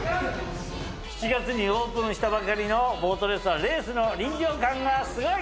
７月にオープンしたばかりのボートレースはレースの臨場感がすごい！